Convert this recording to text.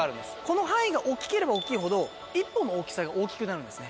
「この範囲が大きければ大きいほど１歩の大きさが大きくなるんですね」